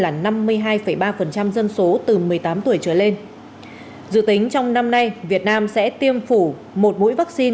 là năm mươi hai ba dân số từ một mươi tám tuổi trở lên dự tính trong năm nay việt nam sẽ tiêm phủ một mũi vaccine